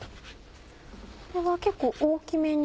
これは結構大きめに？